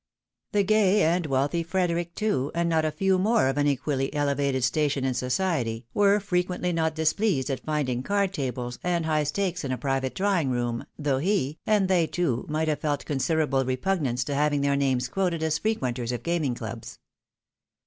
The gay and wealthy Frederic too, and not a few more of an equally elevated station in society, were frequently not displeased at finding card tables and high stakes in a private drawing room, though he, and they too, might have felt considerable repugnance to 'having their names quoted as frequenters of gaming clubs.